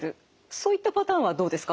そういったパターンはどうですか？